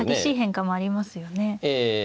ええ。